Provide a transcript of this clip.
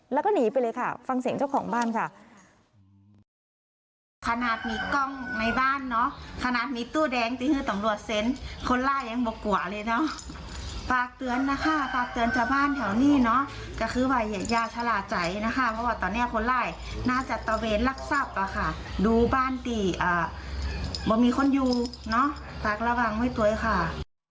แล้วก็หนีไปเลยค่ะฟังเสียงเจ้าของบ้านค่ะ